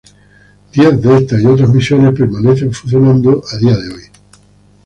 Diez de estas y otras misiones permanecen funcionando a día de hoy.